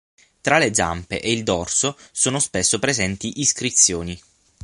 Tra le zampe e il dorso sono spesso presenti iscrizioni.